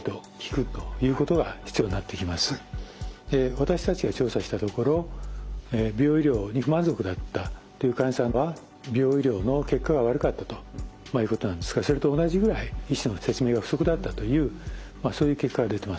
私たちが調査したところ美容医療に不満足だったという患者さんは美容医療の結果が悪かったということなんですがそれと同じぐらい医師の説明が不足だったというそういう結果が出てます。